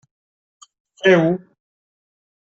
Feu-ho.